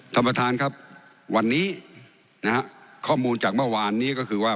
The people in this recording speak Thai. ท่านประธานครับวันนี้นะฮะข้อมูลจากเมื่อวานนี้ก็คือว่า